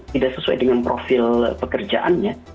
tidak sesuai dengan profil pekerjaannya